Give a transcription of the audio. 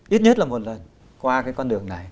ít nhất là một lần qua cái con đường này